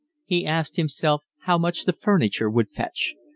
He asked himself how much the furniture would fetch.